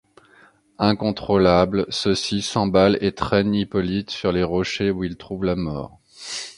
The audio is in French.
Incontrôlables, ceux-ci s'emballent et traînent Hippolyte sur les rochers où il trouve la mort.